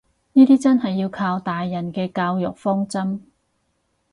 呢啲真係要靠大人嘅教育方針